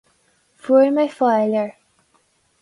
Fuair mé faill air.